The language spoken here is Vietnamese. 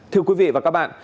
thưa quý vị và các bạn